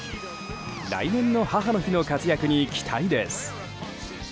来年の母の日の活躍に期待です。